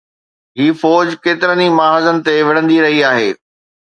هي فوج ڪيترن ئي محاذن تي وڙهندي رهي آهي.